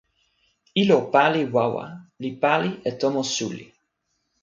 ilo pali wawa li pali e tomo suli.